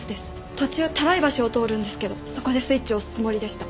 途中多良伊橋を通るんですけどそこでスイッチを押すつもりでした。